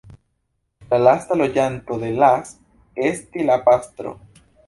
La lasta loĝanto de Las estis la pastro.